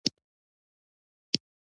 د زیمبابوې د مرکزي بانک مشر پوهېده.